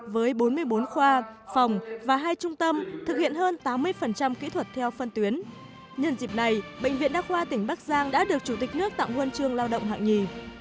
với bốn mươi bốn khoa phòng và hai trung tâm thực hiện hơn tám mươi kỹ thuật theo phân tuyến nhân dịp này bệnh viện đa khoa tỉnh bắc giang đã được chủ tịch nước tặng huân chương lao động hạng nhì